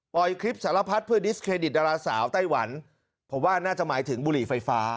ปล่อยคลิปสารพัดเพื่อดิสเครดิตดาราสาวไต้หวันผมว่าน่าจะหมายถึงบุหรี่ไฟฟ้า